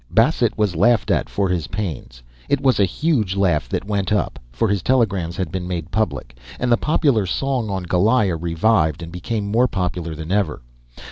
Bassett was laughed at for his pains. It was a huge laugh that went up (for his telegrams had been made public), and the popular song on Goliah revived and became more popular than ever.